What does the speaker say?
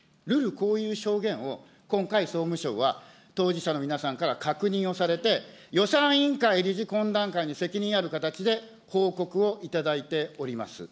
こういう証言を今回、総務省は当事者の皆さんから確認をされて、予算委員会理事懇談会に責任ある形で報告を頂いております。